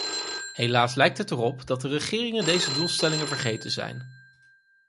Helaas lijkt het erop dat de regeringen deze doelstellingen vergeten zijn.